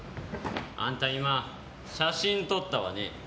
あんた今、写真撮ったわね？